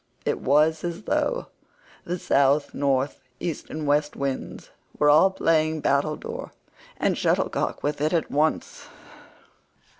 It was as though the South, North, East, and West winds were all playing battledore and shuttlecock with it at once.